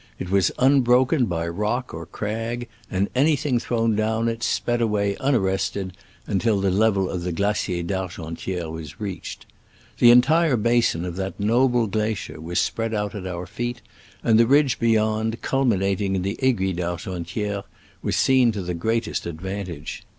It was unbroken by rock or crag, and anything thrown down it sped away unarrested until the level of the Glacier d' Argentiere was reached. The entire basin of that noble glacier was spread out at our feet, and the ridge beyond, culminating in the Aiguille d'Argentiere, was seen to the greatest advantage.